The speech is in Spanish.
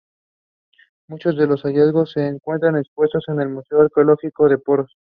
Muchos de los hallazgos se encuentran expuestos en el Museo Arqueológico de Poros.